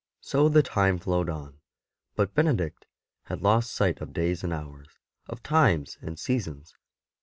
So the time flowed on; but Benedict had lost sight of days and hours, of times and seasons.